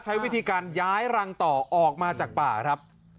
ใช้วิธีการย้ายรังต่อออกมาจากป่าครับ